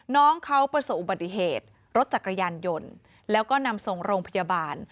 น้องเขาประสบอุบัติเหตุรถจักรยานยนต์แล้วก็นำส่งโรงพยาบาล